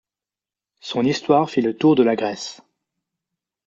Son histoire fit le tour de la Grèce.